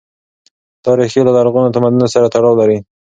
دا ريښې له لرغونو تمدنونو سره تړاو لري.